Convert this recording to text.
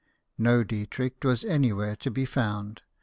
No Dietrich was any where to be found.